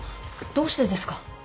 どうしてですか？